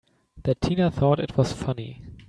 That Tina thought it was funny!